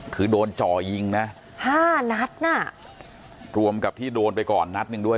คือโดนจ่อยิงนะห้านัดน่ะรวมกับที่โดนไปก่อนนัดหนึ่งด้วย